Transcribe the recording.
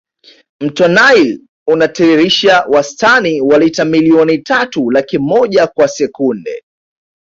mto nile unatiririsha wastani wa lita milioni tatu laki moja kwa sekunde